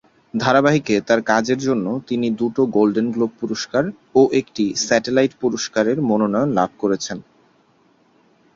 ধারাবাহিকে তার কাজের জন্য তিনি দুটি গোল্ডেন গ্লোব পুরস্কার ও একটি স্যাটেলাইট পুরস্কারের মনোনয়ন লাভ করেছেন।